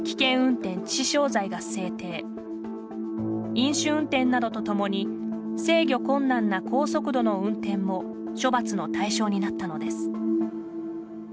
飲酒運転などとともに制御困難な高速度の運転も処罰の対象になったのです。